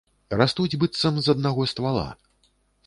Растуць быццам з аднаго ствала.